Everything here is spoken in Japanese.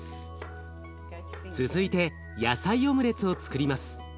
続いて野菜オムレツをつくります。